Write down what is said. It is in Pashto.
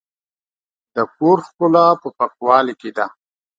د کور ښکلا په پاکوالي کې ده.